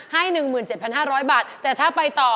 ให้๑๗๕๐๐บาทแต่ถ้าไปต่อ